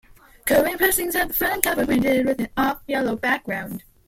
Current pressings have the front cover printed with an off-yellow background.